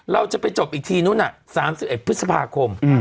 เราจะไปจบอีกทีนู้น๓๑พฤษภาคม